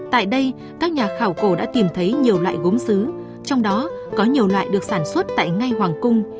tại đây các nhà khảo cổ đã tìm thấy nhiều loại gốm xứ trong đó có nhiều loại được sản xuất tại ngay hoàng cung